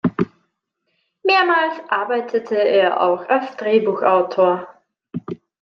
Mehrmals arbeitete er auch als Drehbuchautor.